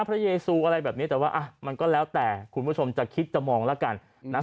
เยซูอะไรแบบนี้แต่ว่ามันก็แล้วแต่คุณผู้ชมจะคิดจะมองแล้วกันนะ